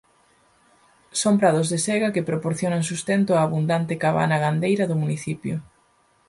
Son prados de sega que proporcionan sustento á abundante cabana gandeira do municipio.